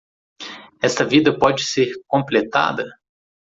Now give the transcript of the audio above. Esta vida pode ser completada?